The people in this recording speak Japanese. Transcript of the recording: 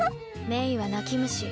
メイは泣き虫。